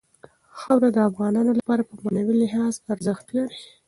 خاوره د افغانانو لپاره په معنوي لحاظ ارزښت لري.